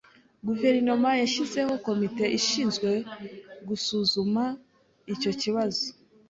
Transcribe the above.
Guverinoma yashyizeho komite ishinzwe gusuzuma icyo kibazo.